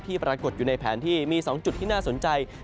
ปรากฏอยู่ในแผนที่มี๒จุดที่น่าสนใจ